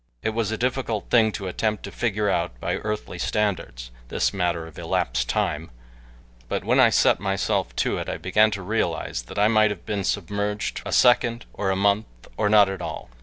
It was a difficult thing to attempt to figure out by earthly standards this matter of elapsed time but when I set myself to it I began to realize that I might have been submerged a second or a month or not at all.